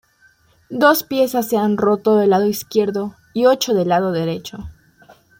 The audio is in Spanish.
Dos piezas se han roto del lado izquierdo y ocho del lado derecho.